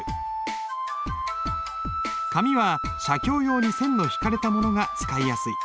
紙は写経用に線の引かれたものが使いやすい。